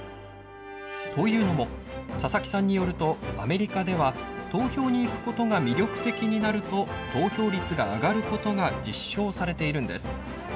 というのも佐々木さんによるとアメリカでは投票に行くことが魅力的になると投票率が上がることが実証されているんです。